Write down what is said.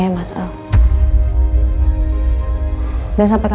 pertama minggustad rosen